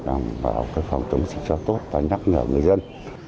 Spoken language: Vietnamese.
đảm bảo phòng chống dịch cho tốt và nhắc nhở người dân